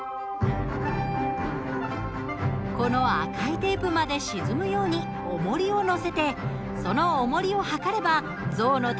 この赤いテープまで沈むようにおもりを載せてそのおもりを量れば象の体重が分かります。